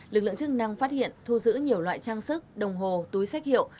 lực lượng chức năng phát hiện thu giữ nhiều loại trang sức đồng hồ túi sách hiệu